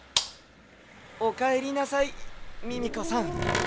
おかえりなさいミミコさん。